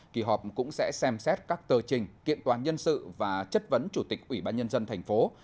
kỳ họp cũng sẽ xem xét các tờ trình kiện toán nhân sự và chất vấn chủ tịch ủy ban nhân dân tp hcm